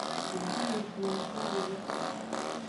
Jengkuime ʼzowo con ewe lo.